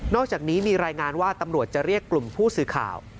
อกจากนี้มีรายงานว่าตำรวจจะเรียกกลุ่มผู้สื่อข่าว